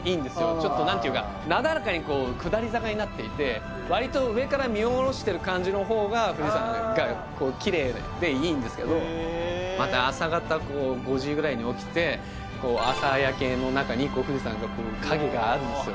ちょっと何ていうかなだらかに下り坂になっていて割と上から見下ろしてる感じの方が富士山がこうきれいでいいんですけどまた朝方こう５時ぐらいに起きて朝焼けの中に富士山がこう影があるんですよ